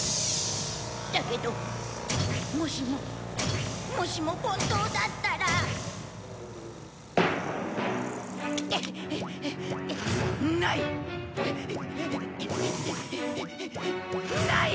だけどもしももしも本当だったらない！ない！